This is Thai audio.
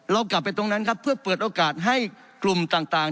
เรากลับไปตรงนั้นครับเพื่อเปิดโอกาสให้กลุ่มต่างที่เขามีตัวแทนกลุ่มเนี่ย